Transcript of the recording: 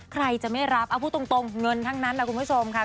ใครจะไม่รับเอาพูดตรงเงินทั้งนั้นแหละคุณผู้ชมค่ะ